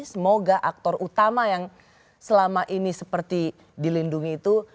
semoga aktor utama yang selama ini seperti dilindungi itu